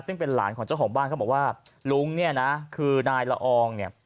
ซึ่งเป็นหลานของเจ้าของบ้านเขาบอกว่าลุงเนี่ยนะคือนายละอองเนี่ย